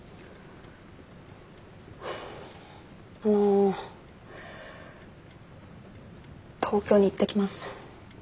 あの東京に行ってきます。